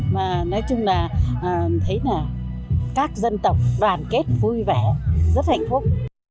mà nói chung là thấy là các dân tộc đoàn kết vui vẻ rất hạnh phúc